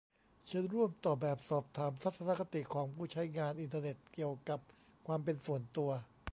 เชิญร่วมตอบแบบสอบถาม "ทัศนคติของผู้ใช้งานอินเทอร์เน็ตเกี่ยวกับความเป็นส่วนตัว"